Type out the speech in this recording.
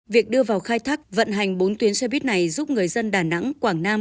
việc đưa vào khai thác vận hành bốn tuyến xe buýt này giúp người dân đà nẵng quảng nam